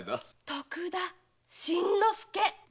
徳田新之助！